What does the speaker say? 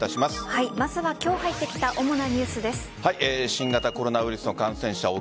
まずは今日入ってきた新型コロナウイルスの感染者